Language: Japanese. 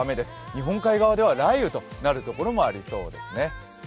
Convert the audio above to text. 日本海側では雷雨となるところも多そうですね。